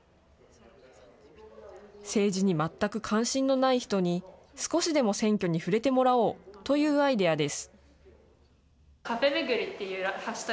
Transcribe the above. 政治に全く関心のない人に少しでも選挙に触れてもらおうというアイデアです。